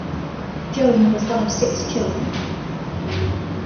Joan was one of six children.